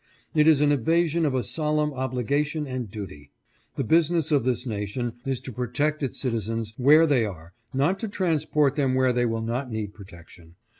It is an evasion of a solemn obligation and duty. The business of this nation is to protect its citizens where they are, not to transport them where they will not need protection.